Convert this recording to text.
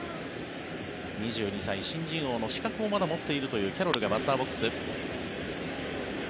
２２歳、新人王の資格をまだ持っているというキャロルがバッターボックス。